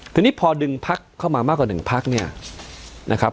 ทีนี้พอดึงพักเข้ามามากกว่า๑พักเนี่ยนะครับ